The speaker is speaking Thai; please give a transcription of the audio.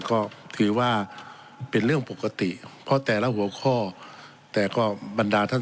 ก็ถือว่าเป็นเรื่องปกติเพราะแต่ละหัวข้อแต่ก็บรรดาท่าน